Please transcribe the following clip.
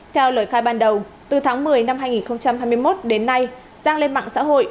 theo lời khai ban đầu từ tháng một mươi năm hai nghìn hai mươi một đến nay giang lên mạng xã hội